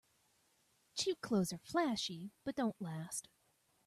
Cheap clothes are flashy but don't last.